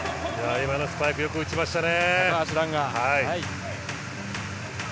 今のスパイクよく打ちましたね。